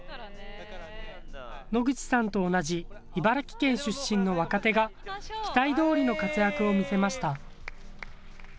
野口さんと同じ茨城県出身の若手が期待どおりの活躍を見せました。